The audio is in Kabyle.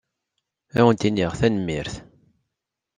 Ad awent-iniɣ tanemmirt.